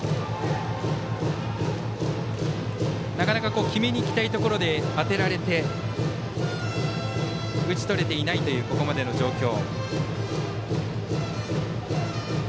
なかなか決めに行きたいところで当てられて打ち取れていないというここまでの状況。